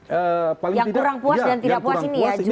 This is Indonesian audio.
yang kurang puas dan tidak puas ini ya